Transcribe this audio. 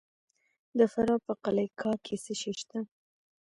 د فراه په قلعه کاه کې څه شی شته؟